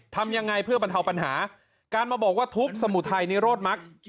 ทำยังไงเพื่อบรรเทาปัญหาการมาบอกว่าทุบสมุทรไทยนิโรธมัก